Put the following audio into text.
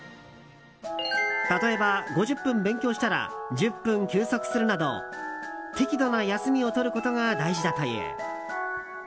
例えば、５０分勉強したら１０分休息するなど適度な休みを取ることが大事だという。